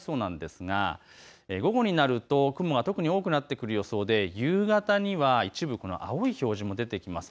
午後になると雲が特に多くなってくる予想で夕方には、一部、青い表示も出てきます。